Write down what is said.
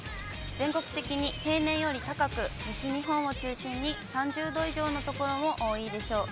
全国的に平年より高く、西日本を中心に３０度以上の所も多いでしょう。